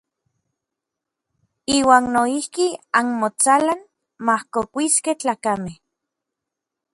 Iuan noijki anmotsalan majkokuiskej tlakamej.